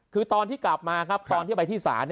คือตอนที่กลับมาครับตอนที่ไปที่ศาล